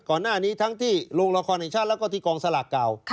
ก่อนหน้านี้ทั้งที่โรงละครแห่งชาติแล้วก็ที่กองสลากเก่า